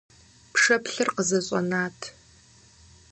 Пшэплъыр къызэщӀэнат.